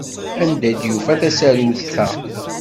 Anda i yufa tasarut-a?